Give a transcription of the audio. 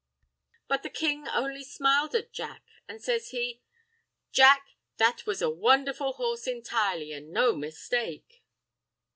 But the king only smiled at Jack, an' says he, "Jack, that was a wonderful horse entirely, an' no mistake."